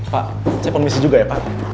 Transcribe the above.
pak saya kondisi juga ya pak